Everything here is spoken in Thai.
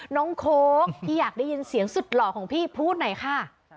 โค้กพี่อยากได้ยินเสียงสุดหล่อของพี่พูดหน่อยค่ะ